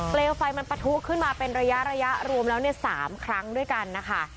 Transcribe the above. เลวไฟมันปะทุขึ้นมาเป็นระยะรวมแล้ว๓ครั้งด้วยกันนะคะ